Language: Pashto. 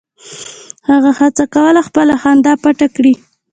هغه هڅه کوله خپله خندا پټه کړي